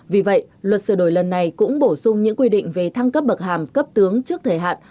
vì vậy luật sửa đổi lần này cũng bổ sung những quy định về thăng cấp bậc hàm cấp tướng trước thời hạn